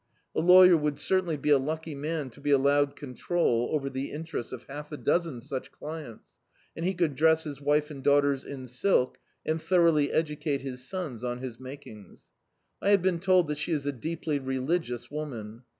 A lawyer would certainly be a lucky man to be allowed ccmtrol over the interests of half a dozen such clients, and he could dress his wife and daughters in silk, and thoroughly educate his sons on his makings. I have been told that she is a deeply religious woman.